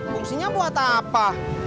fungsinya buat apa